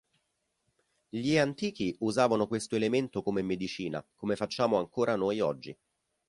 Gli antichi usavano questo elemento come medicina, come facciamo ancora noi oggi.